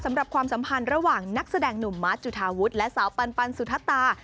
ความสัมพันธ์ระหว่างนักแสดงหนุ่มมาร์ทจุธาวุฒิและสาวปันสุธตา